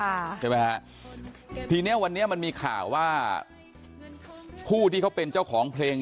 ใช่ไหมฮะทีเนี้ยวันนี้มันมีข่าวว่าผู้ที่เขาเป็นเจ้าของเพลง